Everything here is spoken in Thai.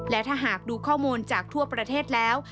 และถ้าหากดูข้อมูลจากทั่วประเทศแล้ว